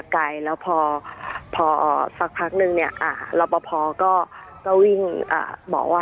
ไกลแล้วพอสักพักนึงเนี่ยรับประพอก็วิ่งบอกว่า